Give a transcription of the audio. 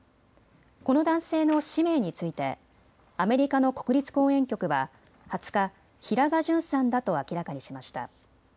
この男性の氏名についてアメリカの国立公園局は２０日、ヒラガ・ジュンさんだと明らかにしました。